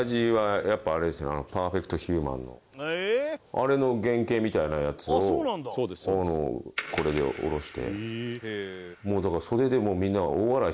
あれの原型みたいなやつをこれでおろして。